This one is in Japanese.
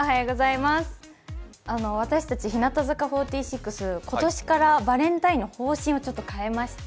あの私たち日向坂４６今年からバレンタインの方針を変えまして。